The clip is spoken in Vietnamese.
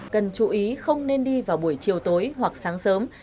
cần chú ý không nên đi vào buổi chiều tối hoặc sáng sớm